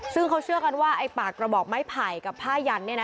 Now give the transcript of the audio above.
ซึ่งเขาเชื่อกันว่าไอ้ปากกระบอกไม้ไผ่กับผ้ายัน